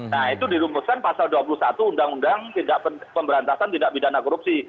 nah itu dirumuskan pasal dua puluh satu undang undang pemberantasan tidak pidana korupsi